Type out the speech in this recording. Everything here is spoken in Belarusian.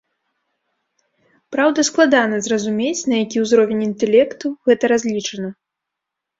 Праўда, складана зразумець, на які ўзровень інтэлекту гэта разлічана.